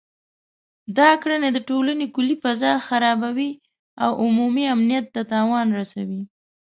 دا کړنې د ټولنې کلي فضا خرابوي او عمومي امنیت ته تاوان رسوي